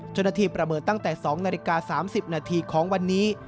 ประเมินตั้งแต่๒นาฬิกา๓๐นาทีของวันนี้